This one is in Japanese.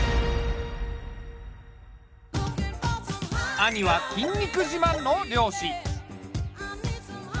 兄は筋肉じまんの漁師。